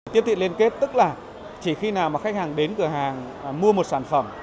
tiếp thị liên kết tức là chỉ khi nào mà khách hàng đến cửa hàng mua một sản phẩm